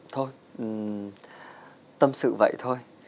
thôi tâm sự vậy thôi